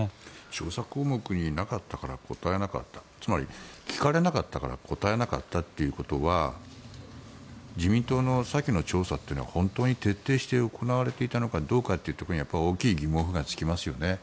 調査項目になかったから答えなかったつまり聞かれなかったから答えなかったということは自民党の先の調査は本当に徹底して行われていたのかどうかというところに大きい疑問符がつきますよね。